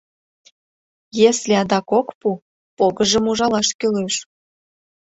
Если адак ок пу, погыжым ужалаш кӱлеш.